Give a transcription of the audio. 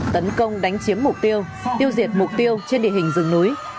tấn công đánh chiếm mục tiêu tiêu diệt mục tiêu trên địa hình rừng núi